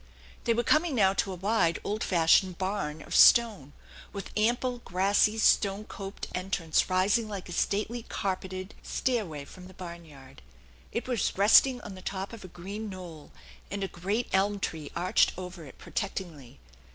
They were coming now to a wide, old fashioned barn of stone, with ample grassy stone coped entrance rising like a stately carpeted stairway from the barn yard. It was resting on the top of a green knoll, and a great elm tree arched over it protectingly.